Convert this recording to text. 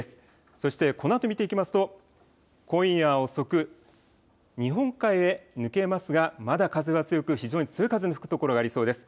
そして、このあと見ていきますと、今夜遅く、日本海へ抜けますが、まだ風は強く、非常に強い風の吹く所がありそうです。